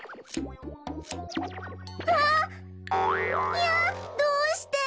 いやどうして！